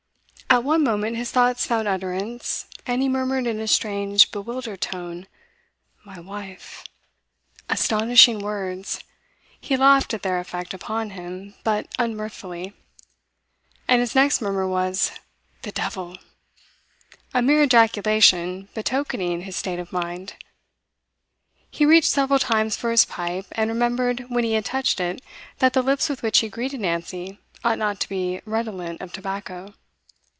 At one moment his thoughts found utterance, and he murmured in a strange, bewildered tone 'My wife.' Astonishing words! He laughed at their effect upon him, but unmirthfully. And his next murmur was 'The devil!' A mere ejaculation, betokening his state of mind. He reached several times for his pipe, and remembered when he had touched it that the lips with which he greeted Nancy ought not to be redolent of tobacco.